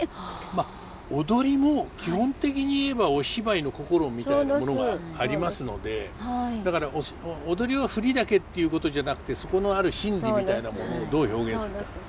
まあ踊りも基本的に言えばお芝居の心みたいなものがありますのでだから踊りは振りだけっていうことじゃなくてそこのある心理みたいなものをどう表現するか。